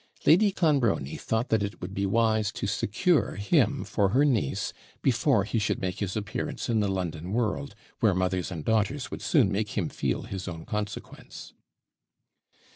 Lady Clonbrony thought that it would be wise to secure him for her niece before he should make his appearance in the London world, where mothers and daughters would soon make him feel his own consequence.